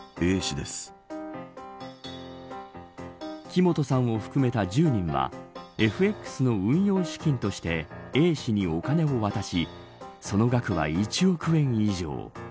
木本さんを含めた１０人はＦＸの運用資金としてＡ氏にお金を渡しその額は１億円以上。